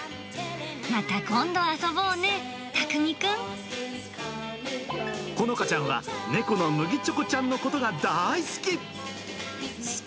また今度遊ぼうね、ほのかちゃんは、猫のむぎちょこちゃんのことが大好き。